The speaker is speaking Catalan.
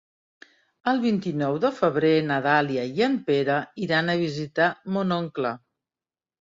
El vint-i-nou de febrer na Dàlia i en Pere iran a visitar mon oncle.